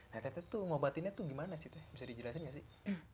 nah tete tuh ngobatinnya tuh gimana sih teh bisa dijelasin gak sih